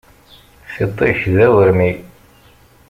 Tiṭ-ik d awermi.